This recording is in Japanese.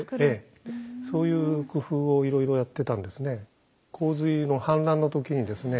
そういう工夫をいろいろやってたんですね。